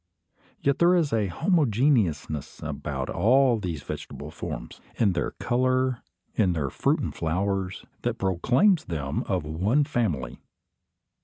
Yet there is a homogeneousness about all these vegetable forms, in their colour, in their fruit and flowers, that proclaims them of one family.